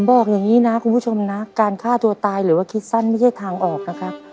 บอกอย่างนี้นะคุณผู้ชมนะการฆ่าตัวตายหรือว่าคิดสั้นไม่ใช่ทางออกนะครับ